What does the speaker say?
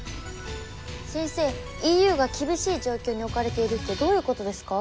先生ＥＵが厳しい状況に置かれているってどういうことですか？